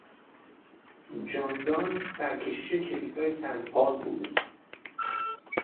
جان دان سرکشیش کلیسای سنت پال بود.